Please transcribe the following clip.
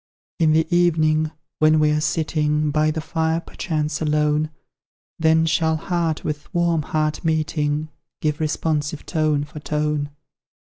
In the evening, when we're sitting By the fire, perchance alone, Then shall heart with warm heart meeting, Give responsive tone for tone.